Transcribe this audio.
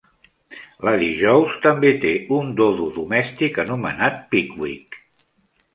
La Dijous també té un dodo domèstic anomenat Pickwick.